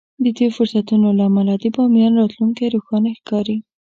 د دې فرصتونو له امله د باميان راتلونکی روښانه ښکاري.